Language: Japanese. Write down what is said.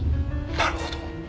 なるほど。